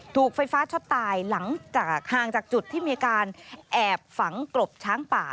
ถูกไฟฟ้าช็อตตายหลังจากห่างจากจุดที่มีการแอบฝังกลบช้างป่า